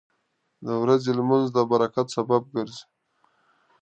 • د ورځې لمونځ د برکت سبب ګرځي.